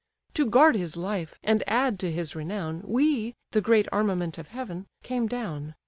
To guard his life, and add to his renown, We, the great armament of heaven, came down.